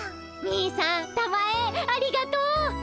兄さんたまえありがとう。